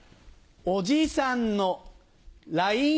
おじさんのＬＩＮＥ